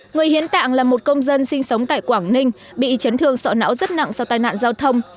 người hiến tạng là một công dân sinh sống tại quảng ninh bị chấn thương sọ não rất nặng sau tai nạn giao thông